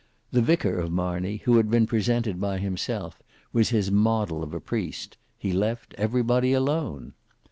The vicar of Marney, who had been presented by himself, was his model of a priest: he left every body alone.